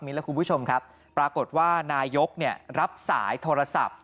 และคุณผู้ชมครับปรากฏว่านายกรับสายโทรศัพท์